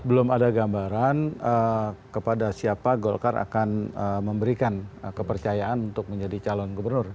belum ada gambaran kepada siapa golkar akan memberikan kepercayaan untuk menjadi calon gubernur